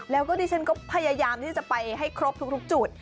แล้วก็ดิฉันก็พยายามที่จะไปให้ครบทุกจุด